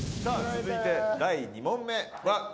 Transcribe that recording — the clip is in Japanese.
続いて第２問目は。